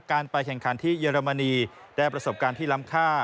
การไปแข่งขันที่เยอรมนีได้ประสบการณ์ที่ล้ำค่า